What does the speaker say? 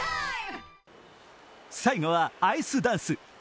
最後はアイスダンス。